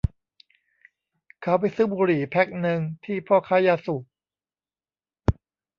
เขาไปซื้อบุหรี่แพ็คนึงที่พ่อค้ายาสูบ